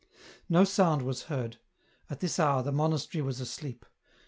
No sound was heard ; at this hour the monastery was asleep.